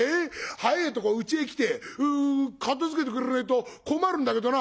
早えとこうちへ来て片づけてくれねえと困るんだけどな」。